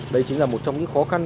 đây chính là một trong những khó khăn